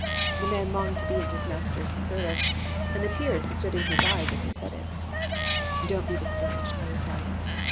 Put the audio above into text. The man longed to be in his Master's service and the tears stood in his eyes as he said it. "Don't be discouraged," I replied.